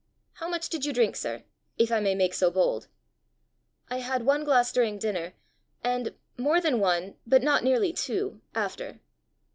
" How much did you drink, sir if I may make so bold?" "I had one glass during dinner, and more than one, but not nearly two, after."